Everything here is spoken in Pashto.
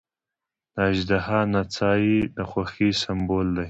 د اژدها نڅا یې د خوښۍ سمبول دی.